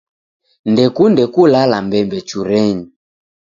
Ndekunde kulala mbembechurenyi.